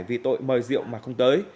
vì tội mời rượu mà không tới